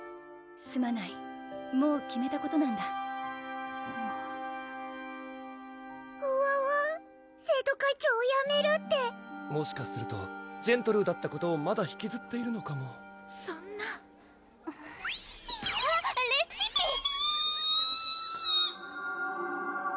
すまないもう決めたことなんだふわわ生徒会長をやめるってもしかするとジェントルーだったことをまだ引きずっているのかもそんなピーあっレシピッピ！ピピー！